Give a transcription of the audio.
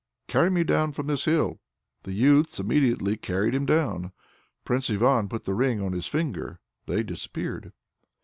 "Carry me down from this hill." The youths immediately carried him down. Prince Ivan put the ring on his finger they disappeared.